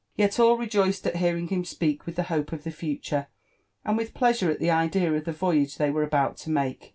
Yet all rqjpicpd at hearing him speik with hope of the fuiurp, <pid with nle^^u^^s^ the idpa of the Yoyqge thoy wepe about to m^ke.